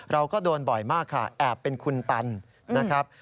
เราก็โดนบ่อยมากค่ะแอบเป็นคุณตันนะครับ